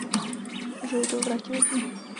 K životu ho vrátily knihy.